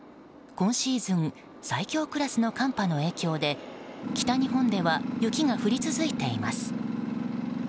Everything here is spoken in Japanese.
今シーズン最強クラスの寒波の影響で北日本では雪が降り続いています。